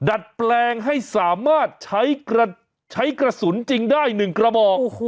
ดัดแปลงให้สามารถใช้กระใช้กระสุนจริงได้หนึ่งกระบอกโอ้โห